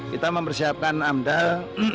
kita mempersiapkan amdal